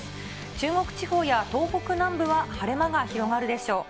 中国地方や東北南部は晴れ間が広がるでしょう。